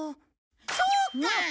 そうか！